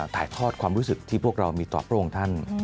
ถ่ายทอดความรู้สึกที่พวกเรามีต่อพระองค์ท่าน